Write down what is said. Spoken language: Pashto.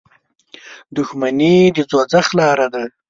• دښمني د دوزخ لاره ده.